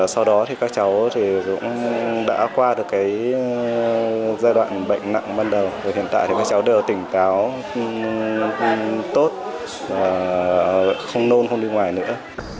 sau đó các cháu đã qua giai đoạn bệnh nặng ban đầu hiện tại các cháu đều tỉnh táo tốt không nôn không đi ngoài nữa